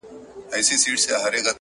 او د بت سترگي يې ښې ور اب پاشي کړې’